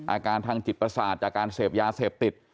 อาการทางจิตประสาทจากการเสพยาเสพติด